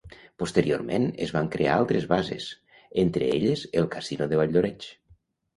Posteriorment es van crear altres bases, entre elles el casino de Valldoreix.